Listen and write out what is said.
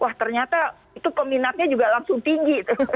wah ternyata itu peminatnya juga langsung tinggi